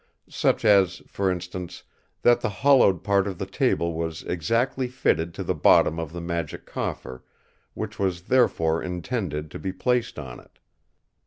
Such as, for instance, that the hollowed part of the table was exactly fitted to the bottom of the Magic Coffer, which was therefore intended to be placed on it.